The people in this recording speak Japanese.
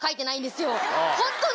ホントに！